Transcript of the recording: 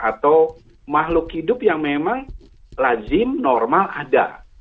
atau makhluk hidup yang memang lazim normal ada